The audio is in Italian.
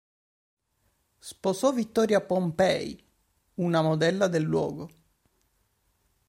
Sposò Vittoria Pompei, una modella del luogo.